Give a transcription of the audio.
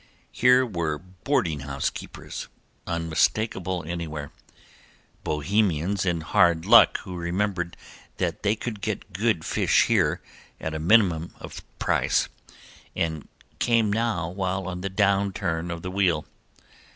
Here were boarding house keepers, unmistakable anywhere, Bohemians in hard luck who remembered that they could get good food here at a minimum of price, and came now while on the down turn of the wheel.